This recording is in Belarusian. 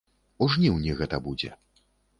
У жніўні гэта будзе.